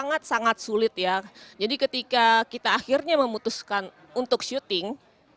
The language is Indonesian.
sangat sangat sulit ya jadi ketika kita akhirnya memutuskan untuk syuting